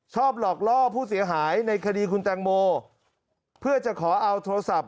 หลอกล่อผู้เสียหายในคดีคุณแตงโมเพื่อจะขอเอาโทรศัพท์